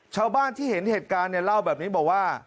ชาวบ้านที่เห็นเหตุการณ์เนี่ยเล่าแบบนี้บอกว่า